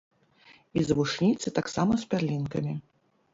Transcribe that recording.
І завушніцы таксама з пярлінкамі.